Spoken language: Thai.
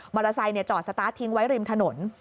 เตอร์ไซค์จอดสตาร์ททิ้งไว้ริมถนน